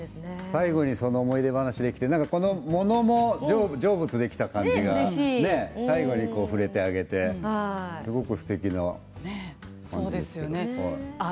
最後に思い出話ができて物も成仏できた感じが最後に触れてあげてすごくすてきな感じです。